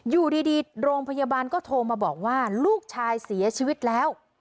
อยู่ดีโรงพยาบาลก็โทรมาบอกว่าลูกชายเสียชีวิตแล้ว